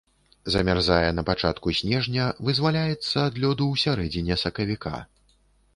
Замярзае на пачатку снежня, вызваляецца ад лёду ў сярэдзіне сакавіка.